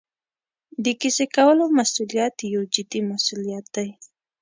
د کیسې کولو مسوولیت یو جدي مسوولیت دی.